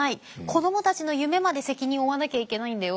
子どもたちの夢まで責任を負わなきゃいけないんだよ」